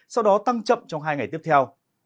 sau đó tăng chậm trong hai ngày tiếp theo